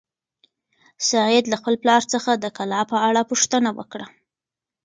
سعید له خپل پلار څخه د کلا په اړه پوښتنه وکړه.